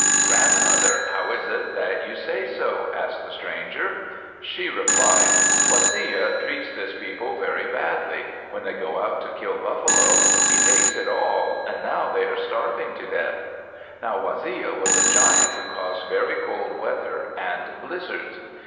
"Grandmother, how is it that you say so?" asked the stranger. She replied, "Waziya treats this people very badly. When they go out to kill buffalo, he takes it all, and now they are starving to death." Now Waziya was a giant who caused very cold weather and blizzards.